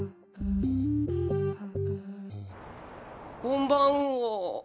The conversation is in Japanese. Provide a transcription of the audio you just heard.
こんばんは。